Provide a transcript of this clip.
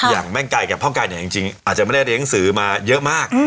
อย่างแม่งไก่กับพ่อไก่เนี่ยจริงอาจจะไม่ได้เลี้ยงสือมาเยอะมาก